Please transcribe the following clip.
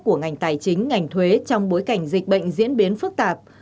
của ngành tài chính ngành thuế trong bối cảnh dịch bệnh diễn biến phức tạp